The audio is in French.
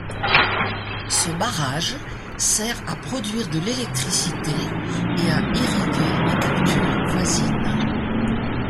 Ce barrage sert à produire de l'électricité et à irriguer les cultures voisines.